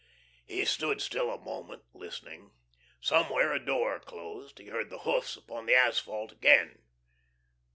He stood still a moment, listening. Somewhere a door closed. He heard the hoofs upon the asphalt again.